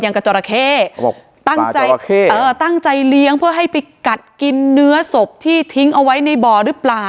กับจราเข้ตั้งใจตั้งใจเลี้ยงเพื่อให้ไปกัดกินเนื้อศพที่ทิ้งเอาไว้ในบ่อหรือเปล่า